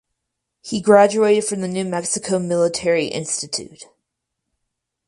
He graduated from the New Mexico Military Institute.